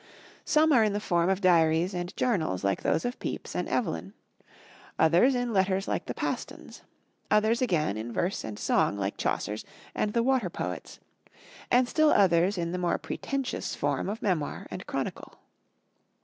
Some are in the form of diaries and journals like those of Pepys and Evelyn; others in letters like the Pastons'; others again in verse and song like Chaucer's and the Water Poet's; and still others in the more pretentious form of memoir and chronicle.